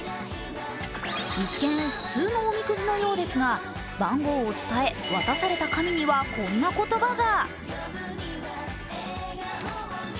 一見、普通のおみくじのようですが番号を伝え渡された紙にはこんな言葉が。